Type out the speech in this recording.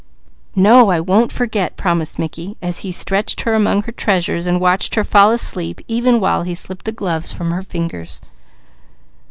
"No, I won't forget," promised Mickey, as he stretched her among her treasures and watched her fall asleep even while he slipped the gloves from her fingers.